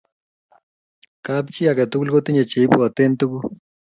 kap chi aketugul kotinye cheibwaten tuguk